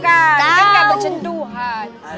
kita gak bercentuhan